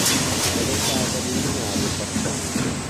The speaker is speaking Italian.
È dotata di un binario passante.